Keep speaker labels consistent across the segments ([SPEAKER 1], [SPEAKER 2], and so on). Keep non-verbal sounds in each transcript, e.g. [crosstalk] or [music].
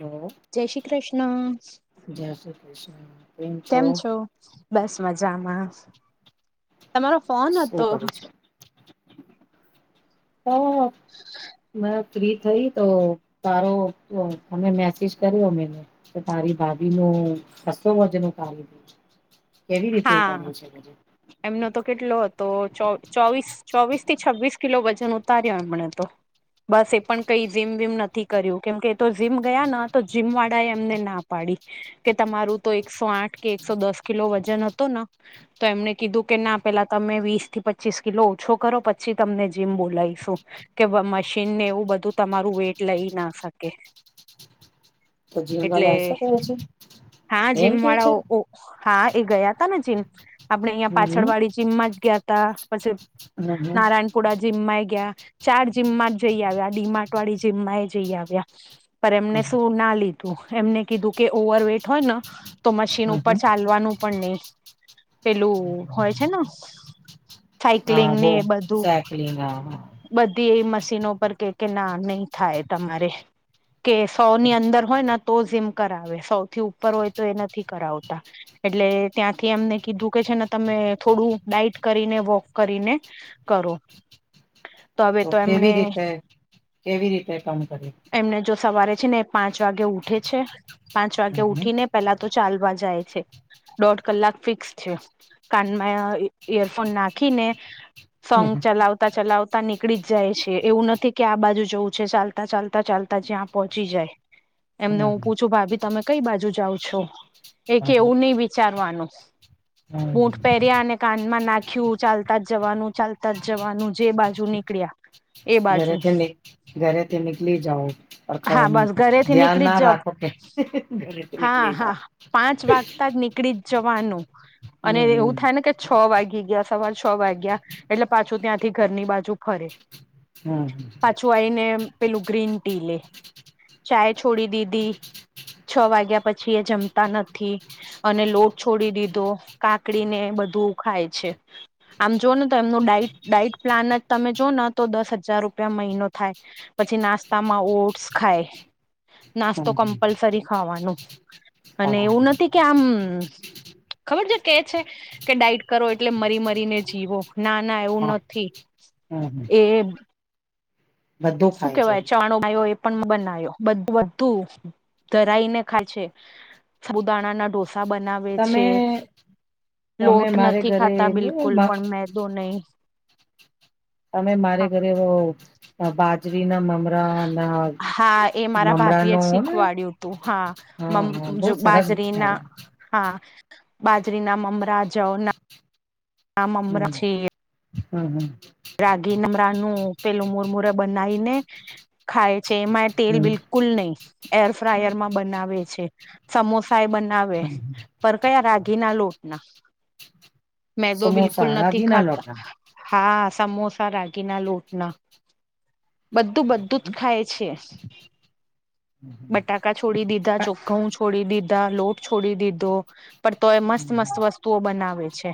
[SPEAKER 1] હ.
[SPEAKER 2] જય શ્રી કૃષ્ણ.
[SPEAKER 1] જય શ્રી કૃષ્ણ.
[SPEAKER 2] કેમ છો બસ મજામાં તમારો ફોન
[SPEAKER 1] શું
[SPEAKER 2] હતો.
[SPEAKER 1] કરો છો હ મે ફ્રી થઈ તો સારો અમે મેસેજ કર્યો મે. તો તારી ભાભી નું ખાસુ વજન ઉતાર્યું. કેવી રીતે
[SPEAKER 2] હા.
[SPEAKER 1] ઉતાર્યું છે પણ.
[SPEAKER 2] એમનો તો કેટલો હતો ચો ચોવીસ. ચોવીસ થી છવ્વીસ કિલો વજન ઉતાર્યો એમણે તો. બસ એ પણ કઈ જીમ વીમ નથી કર્યું કેમકે તો જીમ ગયા ન તો જીમ એમને ના પાડી. કે તમારું તો એકસો આઠ કે એકસો દસ કિલો વજન હતુ ન. તો એમને કીધું કે ના પેલા તમે વીસ થી પચીસ કિલો ઓછો કરો પછી તમને જીમ બોલાઇશું. કે મશીનને એવું બધું તમારું વેટ લઈ ના શકે.
[SPEAKER 1] તો જીમ
[SPEAKER 2] એટલે
[SPEAKER 1] વાલા એસ કરહે છે
[SPEAKER 2] હા
[SPEAKER 1] એમ
[SPEAKER 2] જીમ
[SPEAKER 1] કેવ
[SPEAKER 2] વાળા
[SPEAKER 1] છે.
[SPEAKER 2] ઓ હા એ ગયા તા ન જીમ આપડે અહિયાં પાછળ વાડી જીમમાં જ ગયા તા. પછી નારાયણપુરા જીમમાં ગ્યા. ચાર જીમમાં જ જઈ આવ્યા આ ડીમાર્ટ વાળી જીમમાં એ જઈ આવ્યા પર એમને શું ના લીધું. એમને કીધું કે ઓવર વેટ હોય ન તો મશીન
[SPEAKER 1] હમ હમ
[SPEAKER 2] ઉપર
[SPEAKER 1] હમ
[SPEAKER 2] ચાલવાનું પણ નઇ. પેલું હોય છે ને.
[SPEAKER 1] હા
[SPEAKER 2] સાયક્લિંગ ને
[SPEAKER 1] બોવ
[SPEAKER 2] એ બધું
[SPEAKER 1] [unintelligible]
[SPEAKER 2] બધી એવી મશીનો પર કે કે ના નહી થાય તમારે. કે સો ની અંદર હોય ને તો ઝીમ કરાવે સો થી ઉપર હોય તો એ નથી કરાવતા. એટલે ત્યાંથી એમને કીધું કે છે ને તમે થોડું ડાઇટ કરીને વોક કરીને કરો. [inaudible] તો હવે તો
[SPEAKER 1] કેવી
[SPEAKER 2] એમને
[SPEAKER 1] રીતે કેવી રીતે કામ કર્યું
[SPEAKER 2] એમને જો સવારે છે ને. પાંચ વાગે ઉઠે છે પાંચ વાગે
[SPEAKER 1] હમ
[SPEAKER 2] ઉઠી ને પેલા તો ચાલવા જાય છે. દોઢ કલાક ફિક્સ છે કાનમાં ઈયરફોન નાખીને.
[SPEAKER 1] હમ
[SPEAKER 2] સોંગ ચલાવતા ચલાવતા ચલાવતા નીકળી જાય છે એવું નથી કે આ બાજુ જવું છે ચાલતા ચાલતા ચાલતા જ્યાં પહોંચી જાય.
[SPEAKER 1] હમ
[SPEAKER 2] એમને હું પૂછું ભાભી તમે કઈ બાજુ જાવ છો
[SPEAKER 1] હમ
[SPEAKER 2] એકે એવું નહી. વિચારવાનું.
[SPEAKER 1] હમ.
[SPEAKER 2] બૂટ પહેર્યા અને કાનમાં નાખ્યું ચાલતા જ જવાનું ચાલતા જ જવાનું જે બાજુ નીકળ્યા. [unintelligible]
[SPEAKER 1] ઘરેથી ઘરેથી નીકળી જઓ
[SPEAKER 2] હા બસ ઘરેથી
[SPEAKER 1] ધ્યાન
[SPEAKER 2] નીકળી
[SPEAKER 1] ના
[SPEAKER 2] જ જાવ
[SPEAKER 1] રાખો કે. ઘરેથી
[SPEAKER 2] હા
[SPEAKER 1] નીકળી
[SPEAKER 2] હા
[SPEAKER 1] જાઓ.
[SPEAKER 2] પાંચ વાગતા જ નીકળી જ જવાનું અને એવું
[SPEAKER 1] હમ
[SPEAKER 2] થાય ને કે. છ વાગી ગયા સવાર છ વાગ્યા એટલે પાછું ત્યાંથી ઘરની બાજુ ફરે.
[SPEAKER 1] હા.
[SPEAKER 2] પાછું આઈને પેલું ગ્રીન ટી લે. ચાય છોડી દીધી છ વાગ્યા પછી એ જમતા નથી અને લોટ છોડી દીધો કાકડીને બધું ખાય છે. આમ જો ને તો એમનું ડાઈટ પ્લાન જ તમે જો ને તો દસ હજાર રૂપિયા મહિનો થાય. પછી નાસ્તામાં ઓટ્સ ખાય
[SPEAKER 1] હમ
[SPEAKER 2] નાસ્તો કમ્પલસરી ખાવાનો અને
[SPEAKER 1] હમ
[SPEAKER 2] એવું
[SPEAKER 1] હમ
[SPEAKER 2] નથી કે આમ હમ ખબર છે કે છે કે ડાઇટ કરો એટલે મરી મરીને જીવો ના ના એવું
[SPEAKER 1] હા
[SPEAKER 2] નથી
[SPEAKER 1] હમ
[SPEAKER 2] એ
[SPEAKER 1] બધું
[SPEAKER 2] શું
[SPEAKER 1] ખાય છે
[SPEAKER 2] કેવાય ચાણો આવ્યો હોય પણ બનાયો બધું ધરાઈને ખાજે છુંદાણા ના ઢો ડોસા બનાવે
[SPEAKER 1] તમે
[SPEAKER 2] છે
[SPEAKER 1] તમે
[SPEAKER 2] લોટ
[SPEAKER 1] મારે
[SPEAKER 2] નથી
[SPEAKER 1] ઘરે
[SPEAKER 2] ખાતા બિલકુલ પણ મે મેંદો નહી
[SPEAKER 1] અને મારે ઘરે બાજરીના મમરા ના
[SPEAKER 2] હા એ મારા
[SPEAKER 1] મમરા
[SPEAKER 2] ભાભી એ
[SPEAKER 1] નો
[SPEAKER 2] જ
[SPEAKER 1] ને
[SPEAKER 2] શીખવાડ્યું હતું હા
[SPEAKER 1] હા
[SPEAKER 2] મમ
[SPEAKER 1] હા બહુ સરસ
[SPEAKER 2] બાજરીના
[SPEAKER 1] વિચારો
[SPEAKER 2] હા બાજરીના મમરા જવના મમરા છે
[SPEAKER 1] હમ હમ હમ
[SPEAKER 2] રાગી મમરા નું પેલું મુરમૂરે બનાવી ને ખાય છે એમાં એ તેલ
[SPEAKER 1] હમ
[SPEAKER 2] બિલકુલ નહી એર ફ્રાયર માં બનાવે છે સમોસા ખાય બનાવે
[SPEAKER 1] હમ
[SPEAKER 2] પર કયા રાગી ના લોટના. મેતો બિલકુલ
[SPEAKER 1] સમોસા
[SPEAKER 2] નથી
[SPEAKER 1] રાગીના
[SPEAKER 2] ખાતા.
[SPEAKER 1] લોટા
[SPEAKER 2] હા સમોસા રાગીના લોટના. બધું બધું જ ખાય છે. બટાકા છોડી દીધા, ઘઉં છોડી દીધા, લોટ છોડી દીધો. પણ તોય મસ્ત મસ્ત વસ્તુઓ બનાવે છે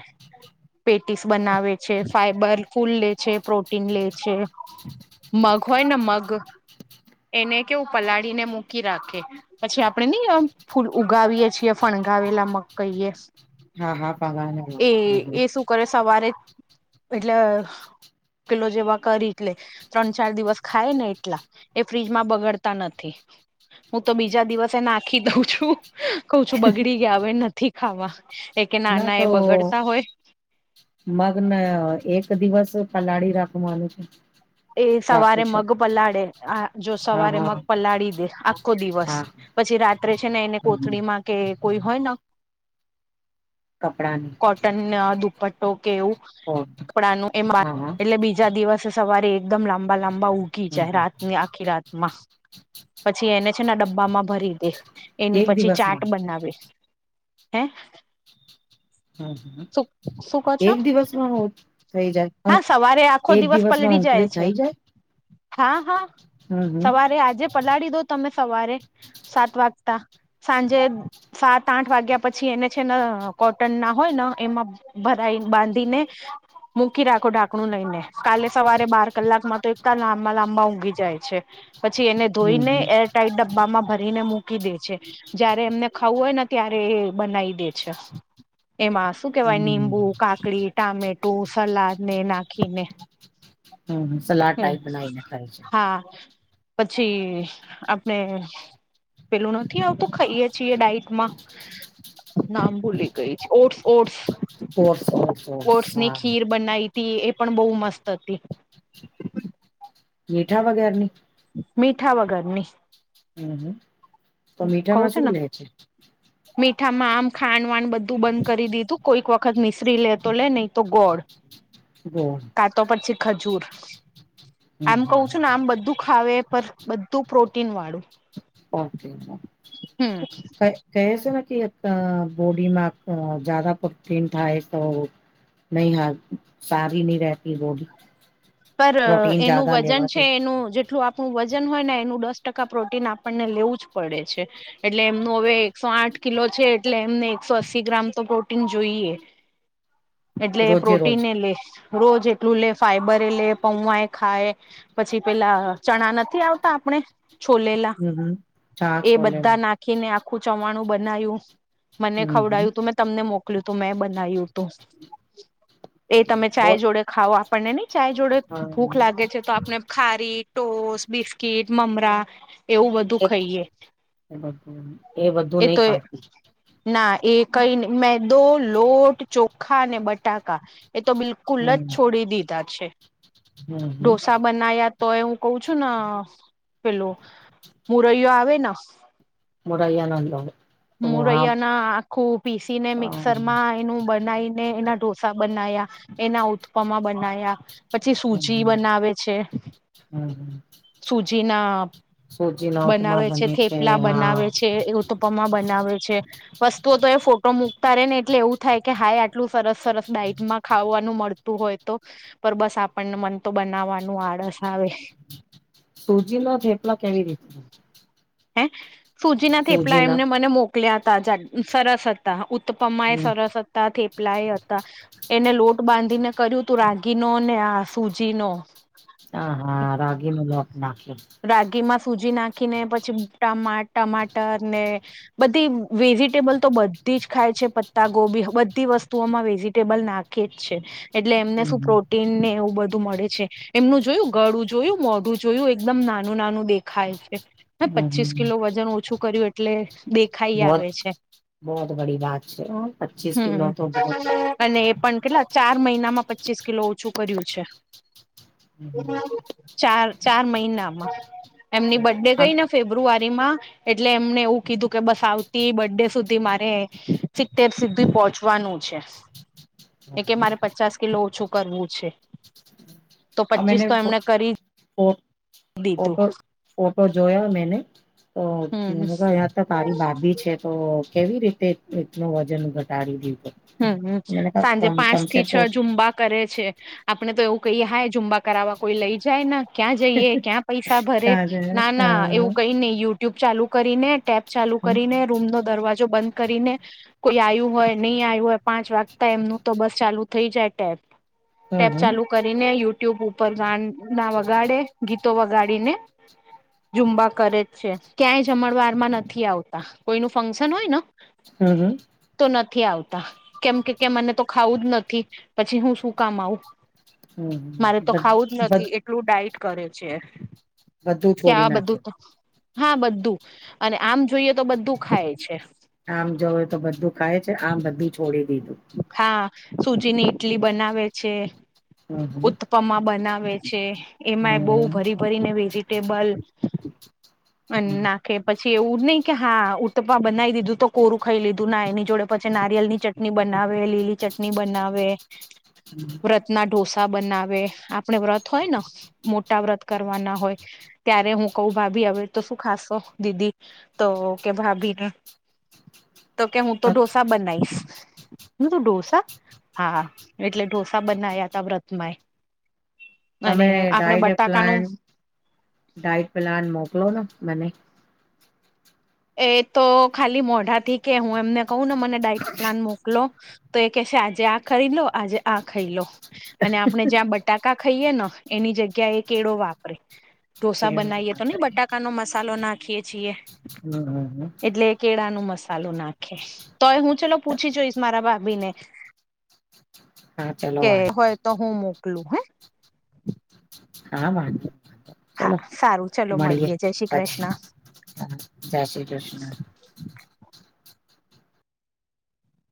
[SPEAKER 2] પેટીસ બનાવે છે ફાઈબર ફૂલ લે છે, પ્રોટીન લે છે. મગ હોય ને મગ એને કેવું પલાળીને મૂકી રાખે. પછી આપણે ને ફૂલ ઉગાવીએ છીએ ફણગાવેલા મગ કહીએ.
[SPEAKER 1] હા હા
[SPEAKER 2] એ
[SPEAKER 1] પગના
[SPEAKER 2] એ શું કરે સવારે એટલે પેલો જે વઘારી જ લે ત્રણ ચાર દિવસ ખાય ને એટલા એ ફ્રીજમાં બગડતા નથી. હું તો બીજા દિવસે નાખી દઉં છું. કઉ છું બગડી ગયા હવે નથી ખાવા. એ કે
[SPEAKER 1] ના
[SPEAKER 2] નાના એ
[SPEAKER 1] તો
[SPEAKER 2] બગડતા હોય
[SPEAKER 1] મગ ને એક દિવસ પલાળી રાખવાનું છે.
[SPEAKER 2] એ
[SPEAKER 1] રાખો
[SPEAKER 2] સવારે
[SPEAKER 1] છે.
[SPEAKER 2] મગ પલાળે આ જો
[SPEAKER 1] હા
[SPEAKER 2] સવારે
[SPEAKER 1] હા
[SPEAKER 2] મગ પલાળી દે આખો દિવસ.
[SPEAKER 1] હા
[SPEAKER 2] પછી રાત્રે છે ને એને
[SPEAKER 1] હમ
[SPEAKER 2] કોથળીમાં કે કોઈ હોય ને
[SPEAKER 1] કપડાની
[SPEAKER 2] કોટન દુપટ્ટો કે એવું
[SPEAKER 1] ઓકે
[SPEAKER 2] કપડા નું એમાં
[SPEAKER 1] હા હા
[SPEAKER 2] એટલે બીજા દિવસે સવારે એકદમ લાંબા લાંબા ઉગી જાય
[SPEAKER 1] હમ
[SPEAKER 2] રાતની આખી રાત. મા પછી એને છે ને ડબ્બામાં ભરી દે. એની
[SPEAKER 1] એક
[SPEAKER 2] પછી ચાટ
[SPEAKER 1] દિવસમાં
[SPEAKER 2] બનાવે હે.
[SPEAKER 1] હમ
[SPEAKER 2] શું શું કહો છો
[SPEAKER 1] એક દિવસમાં હુ થઈ જાય?
[SPEAKER 2] હા સવારે આખો
[SPEAKER 1] એક
[SPEAKER 2] દિવસ
[SPEAKER 1] દિવસમાં
[SPEAKER 2] પલળી જાય
[SPEAKER 1] અંકુરિત
[SPEAKER 2] છે
[SPEAKER 1] થઈ જાય
[SPEAKER 2] હા હા
[SPEAKER 1] હમ હમ
[SPEAKER 2] સવારે આજે પલાળી દો તમે સવારે સાત વાગતા સાંજે સાત આઠ વાગ્યા પછી એને છે ને કોટનના હોય ને એમાં ભરાઈ બાંધીને મૂકી રાખો ઢાંકણું લઈને કાલે સવારે બાર કલાકમાં તો એકદમ લાંબા લાંબા ઊગી જાય છે પછી એને
[SPEAKER 1] હમ
[SPEAKER 2] ધોઈને એર ટાઈટ ડબ્બામાં ભરીને મૂકી દેછે. જયારે એમને ખાવું હોય ને ત્યારે એ બનાવી દે છે. [unintelligible] હુ કેહેવાય
[SPEAKER 1] હમ
[SPEAKER 2] નીંબુ કાકડી, ટામેટું, સલાડને નાખીને.
[SPEAKER 1] હમ હમ સલાડ
[SPEAKER 2] હમ્મ
[SPEAKER 1] ટાઈપ બનાવીને ખાય છે.
[SPEAKER 2] હા. પછી આપણે પેલું નથી આવતુ ખાઈએ છીએ ડાઇટમાં. નામ ભૂલી ગઈ છુ ઓટ્સ ઓટ્સ
[SPEAKER 1] ઓટ્સ હા.
[SPEAKER 2] બનાઈ તી એ પણ બહુ મસ્ત હતી.
[SPEAKER 1] [unintelligible] વગરની
[SPEAKER 2] મીઠા વગરની.
[SPEAKER 1] [unintelligible] તો
[SPEAKER 2] ખવ
[SPEAKER 1] મીઠામાં
[SPEAKER 2] સે ને
[SPEAKER 1] શું લે છે?
[SPEAKER 2] મીઠામાં આમ ખાંડ વાંડ બધું બંધ કરી દીધું કોઈક વખત મિશ્રી લે તો લે નહી તો ગોળ [inaudible]
[SPEAKER 1] [unintelligible]
[SPEAKER 2] કા તો પછી ખજૂર
[SPEAKER 1] હમ
[SPEAKER 2] આમ કવ છ
[SPEAKER 1] હમ
[SPEAKER 2] ના આમ બધું ખાવે પર બધું પ્રોટીન વાળું.
[SPEAKER 1] ઓકે
[SPEAKER 2] હમ
[SPEAKER 1] [unintelligible] કહે શે ને કે એક બોડીમાં જ જાદા પ્રોટીન થાય તો નહી હારું સારી ની રહેતી વો બી
[SPEAKER 2] પર એનું વજન છે એનું જે ટલું આપણું વજન હોય ને એનું દસ ટકા પ્રોટીન આપણને લેવું જ પડે છે. એટલે એમનું હવે એકસો આઠ કિલો છે એટલે એમને એકસો અસ્સી ગ્રામ તો પ્રોટીન જોઈએ. એટલે
[SPEAKER 1] રોજે
[SPEAKER 2] પ્રોટીન
[SPEAKER 1] રોજ
[SPEAKER 2] ને લે રોજ એટલું લે ફાઈબર પેલે પવાય ખાય પછી પેલા ચણા નથી આવતા આપણે છોલેલા
[SPEAKER 1] હમ હમ છાસ
[SPEAKER 2] એ
[SPEAKER 1] છોલે
[SPEAKER 2] બધા નાખ ખી ને આખું ચવાણું બનાવ્યું મને
[SPEAKER 1] હમ હમ
[SPEAKER 2] ખવડાયું તું મે તમને મોકલ્યું તું મેં બનાવ્યું તું એ તમે ચાય
[SPEAKER 1] બહુત
[SPEAKER 2] જોડે ખાઓ આપણને ની ચાય જોડે ભૂખ લાગે છે તો આપને ખારી ટોસ બિસ્કિટ મમરા એવું બધું ખઈએ
[SPEAKER 1] બધું
[SPEAKER 2] એ
[SPEAKER 1] નહી
[SPEAKER 2] તો
[SPEAKER 1] ખાતી
[SPEAKER 2] ના એ કઈ ની મેદો લોટ ચોખા ને બટાકા એ તો બિલકુલ જ
[SPEAKER 1] હમ
[SPEAKER 2] છોડી દીધા છે
[SPEAKER 1] હમ હમ
[SPEAKER 2] ઢોસા બનાયા તોય હું કઉ છું ન પેલો મુરૈયો આવે ન
[SPEAKER 1] મોરૈયા ન લો હા
[SPEAKER 2] મુરૈયાના આખું પીસી ને મિક્સર માં એનુ બનાઈને એના ઢોસા બનાયા એના ઉત્પમાં બનાયા. પછી સૂજી બનાવે છે સૂજી ના
[SPEAKER 1] સૂજી ના ઉપમા
[SPEAKER 2] બનાવે છે
[SPEAKER 1] બને
[SPEAKER 2] થેપલા
[SPEAKER 1] હા
[SPEAKER 2] બનાવે ઉત્તપમા બનાવે છે. વસ્તુઓ તો એ ફોટો મૂકતા રે ને એટલે એવું થાય કે હાય આટલું સરસ સરસ ડાઇટમાં ખાવાનું મળત તુ હોય તો પર બસ આપણને મન તો બનાવવાનું આળસ આવે.
[SPEAKER 1] સુૂજી નો થેપલો કેવી રીતે.
[SPEAKER 2] હે સુજીના થેપલા
[SPEAKER 1] સૂજી ના
[SPEAKER 2] એમને મને મોકલ્યા હતા [unintelligible] સરસ હતા ઉત્પમાય એ
[SPEAKER 1] હમ
[SPEAKER 2] સરસ હતા થેપલાય હતા. એને લોટ બાંધીને કર્યુંતું રાગીનો ને આ સૂજી નો.
[SPEAKER 1] હા હા રાગી નો લોટ નાખી ને.
[SPEAKER 2] રાગીમાં સ સુૂજી નાખીને પછી ટામા ટમાટર ને બધી વેજીટેબલ તો બધી જ ખાય છે પત્તા ગોબી બધી વસ્તુઓમાં વેજીટેબલ નાખ ખે જ છે એટલે એમને સુ પ્રોટીન ને એવું બધું મળે. છે. એમનું જોયું ગળું જોયું મોઢું જોયું એકદમ નાનું નાનું દેખાય છે. ને પચીસ કિલો વજન ઓછું કર્યું એટલે દેખાઈ આવે છે.
[SPEAKER 1] બહોત બડી વાત છે, હો પચીસ કિલો
[SPEAKER 2] હમ
[SPEAKER 1] તો
[SPEAKER 2] અને એ પણ કેટલા ચાર મહિનામાં પચીસ કિલો ઓછું કર્યું છે. ચાર ચાર મહિનામાં એમની બર્થડે ગઈ ને ફેબ્રુઆરી માં એટલે એમને એવું કીધું કે બસ આવતી બર્ડે સુધી મારે સિત્તેર સુધી પહોંચવાનું છે. એ કે મારે પચાસ કિલો ઓછું કરવું છે. તો
[SPEAKER 1] આમે
[SPEAKER 2] પચીસ
[SPEAKER 1] ને
[SPEAKER 2] તો
[SPEAKER 1] ફો
[SPEAKER 2] એમને કરી
[SPEAKER 1] ફો
[SPEAKER 2] દીધું
[SPEAKER 1] ફોટો ફોટો જોયા મેને. તો
[SPEAKER 2] હમ
[SPEAKER 1] અ તો તારી બાકી છે તો કેવી રી તે એટલું વજન ઘટાડી દીધું.
[SPEAKER 2] હમમ હમ્મ
[SPEAKER 1] મેને કહા
[SPEAKER 2] સાંજે પાંચ
[SPEAKER 1] તમસે
[SPEAKER 2] થી છ ઝુંબા કરે છે. આપણે તો એવું કહી હાય ઝુંબા કરાવવા કોઈ લઈ જાય ને ક્યાં જઈએ, ક્યાં પૈસા ભરે, ના ના એવું કઈ નહી યુ ટ્યુબ ચાલુ કરીને, ટેપ ચાલુ કરીને રૂમનો દરવાજો બંધ કરીને કોઈ આવ્યું હોય, નહી આવ્યું હોય પાંચ વાગતા એમનું તો બસ ચાલુ થઈ જાય ટેપ. ટેપ ચાલુ કરીને યુટ્યુબ ઉપર જાણ ના વગાડે ગીતો વગાડીને. ઝુંબા કરે જ છે. ક્યાંય જમણવારમાં નથી આવતા કોઈ નુ ફંક્શન હોય ન
[SPEAKER 1] હમ હમ.
[SPEAKER 2] તો નથી આવતા. કેમ કે કે મને તો ખાવું જ નથી પછી હું શું કામ આવું. મારે તો
[SPEAKER 1] બધું
[SPEAKER 2] ખાવું જ નથી એ ટલું ડાઈટ કરે છે, કે
[SPEAKER 1] છોડી
[SPEAKER 2] આ બધું
[SPEAKER 1] નાખ્યું
[SPEAKER 2] હા બધું અને આમ જોઈએ તો બધું ખાય છે.
[SPEAKER 1] આમ જોય તો બધું ખાય છે, આમ બધું છોડી દીધું.
[SPEAKER 2] હા સુજી ની ઈટલી બનાવે છે.
[SPEAKER 1] [inaudible]
[SPEAKER 2] પમા બનાવે છે, એમાંય બહુ ભરી ભરીને વેજીિટેબલ.
[SPEAKER 1] હમ હમ
[SPEAKER 2] [inaudible] કે પછી એવું જ નહીં કે હા ઉટબા બનાવી દીધું તો કોરું ખાઈ લીધું ના એની જોડે પછી નારિયળની ચટણી બનાવેલી ચટણી બનાવે.
[SPEAKER 1] [unintelligible]
[SPEAKER 2] વ્રતના ઢોસા બનાવે આપણે વ્રત હોય ને મોટા વ્રત કરવાના હોય ત્યારે હું કઉ ભાભી હવે તો શું ખાસો દીદી. તો કે ભાભીને, તો કે હું તો
[SPEAKER 1] ત
[SPEAKER 2] ઢોસા બનાવીશ. [inaudible] ડોસા? હા હા, એટલે ઢોસા બનાવ્યા તા વ્રતમાં એ
[SPEAKER 1] તમે ડાઇટ પ્લાન
[SPEAKER 2] બટાકાનું
[SPEAKER 1] ડાઇટ પ્લાન મોકલો ને મને.
[SPEAKER 2] એ તો ખાલી મોઢા થી કે હું એમને કઉ ને મને ડાઇટ પ્લાન મોકલો. તો એ કેહેશે આજે આ ખરી લો આજે આ ખાઈ લો અને આપને જ્યાં બ ટાકા ખાઈએ ને એની જગ્યા એ કેળો વાપરે.
[SPEAKER 1] કે
[SPEAKER 2] ઢોસા બનાવીએ તો ને બટાકાનો મસાલો નાખીએ છીએ.
[SPEAKER 1] [inaudible]
[SPEAKER 2] એટલે કેળા નો મસાલો નાખીશ, તોય હું ચલો પૂછી જોઈશ ભાભી ને
[SPEAKER 1] હા ચલો
[SPEAKER 2] કે
[SPEAKER 1] વાંધ
[SPEAKER 2] હોય તો હું મોકલું હે.
[SPEAKER 1] હા હા
[SPEAKER 2] હા
[SPEAKER 1] ચલો
[SPEAKER 2] સારું ચલો
[SPEAKER 1] મળીએે
[SPEAKER 2] મળીએ જય શ્રી
[SPEAKER 1] પછી.
[SPEAKER 2] કૃષ્ણ
[SPEAKER 1] હા જય શ્રી કૃષ્ણ.